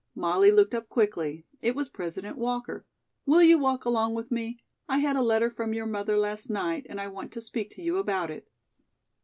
Molly looked up quickly. It was President Walker. "Will you walk along with me? I had a letter from your mother last night and I want to speak to you about it."